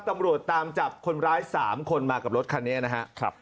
ตำรวจตามจับคนร้าย๓คนมากับรถคันนี้นะครับ